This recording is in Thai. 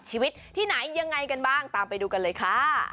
ชีวิตที่ไหนยังไงกันบ้างตามไปดูกันเลยค่ะ